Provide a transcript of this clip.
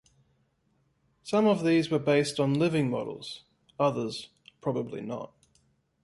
Some of these were based on living models, others probably not.